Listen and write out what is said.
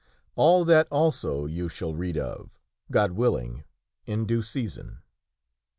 All that also you shall read of, God willing, in due season.